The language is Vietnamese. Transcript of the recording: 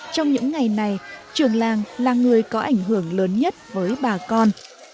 trong những ngày này trường làng là người có ảnh hưởng lớn nhất với bà con